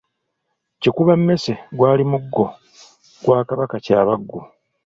Kikuba mmese gwali muggo gwa Kabaka Kyabaggu.